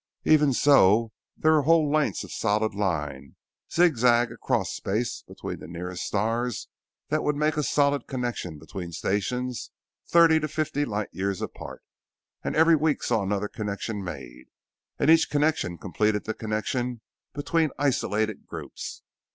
Even so, there were whole lengths of solid line, zig zag across space between the nearer stars that would make a solid connection between stations thirty to fifty light years apart. And every week saw another connection made, and each connection completed the connection between isolated groups.